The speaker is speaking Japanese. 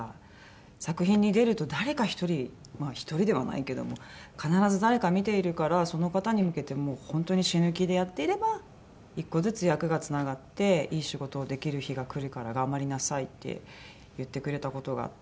「作品に出ると誰か１人まあ１人ではないけども必ず誰か見ているからその方に向けて本当に死ぬ気でやっていれば１個ずつ役がつながっていい仕事をできる日が来るから頑張りなさい」って言ってくれた事があって。